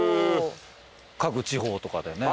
各地方とかでね。